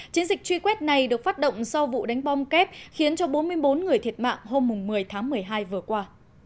chiến dịch truy quét này được phát động sau vụ đánh bom kép khiến cho bốn mươi bốn người thiệt mạng hôm một mươi tháng một mươi hai vừa qua